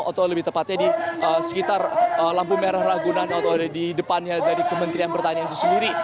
atau lebih tepatnya di sekitar lampu merah ragunan atau di depannya dari kementerian pertanian itu sendiri